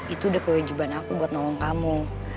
itu udah kewajiban aku buat nolong kamu